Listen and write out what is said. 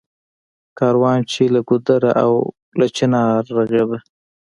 کاروان چــــې له ګـــــودره او له چنار غـــږېده